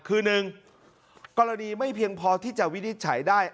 คือ๑กรณีไม่เพียงพอที่จะวินิจฉัยได้